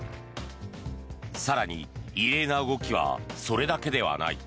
更に、異例な動きはそれだけではない。